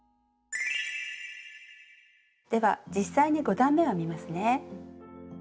では実際に５段めを編みますね。